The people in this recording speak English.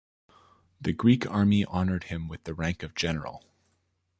The Greek Army honoured him with the rank of general.